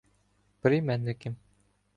Прийменники